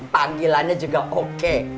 panggilannya juga oke